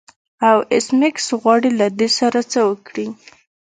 او ایس میکس غواړي له دې سره څه وکړي